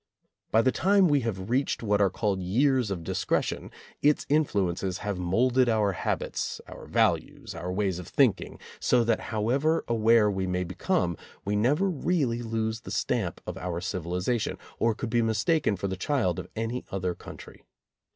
By the time we have reached what are called years of discretion, its influences have molded our habits, our values, our ways of thinking, so that however aware we may become, we never really lose the stamp of our civilization, or could be mistaken for the child of any other country.